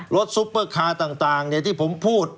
ซุปเปอร์คาร์ต่างที่ผมพูด